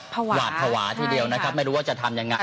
หวาดภาวะทีเดียวนะครับไม่รู้ว่าจะทำยังไง